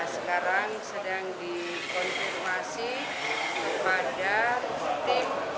sekarang sedang dikonfirmasi kepada tim